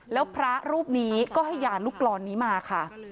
แล้วพระรูปนี้ก็ให้ยาลูกกรอนนี้มาค่ะ